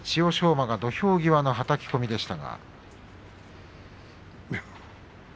馬が土俵際のはたき込みでした。